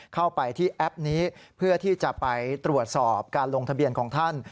เข้าไปที่แอปนี้เพื่อที่จะไปตรวจสอบการลงทะเบียนของท่าน